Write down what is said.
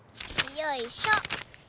よいしょ！